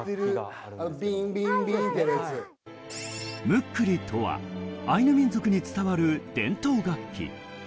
ムックリとはアイヌ民族に伝わる伝統楽器。